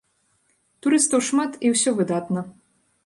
Турыстаў шмат і ўсё выдатна.